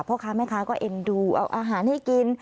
พ่อค้าแม่ค้าก็เอ็นดูเอาอาหารให้กิน